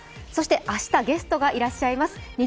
明日ゲストがいらっしゃいます。